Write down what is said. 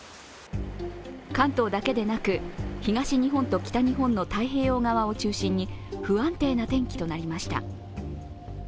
関東だけでなく、東日本と北日本の太平洋側を中心に不安定な天気となりました。